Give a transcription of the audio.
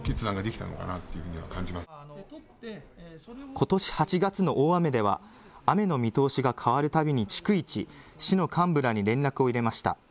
ことし８月の大雨では雨の見通しが変わるたびに逐一、市の幹部らに連絡を入れました。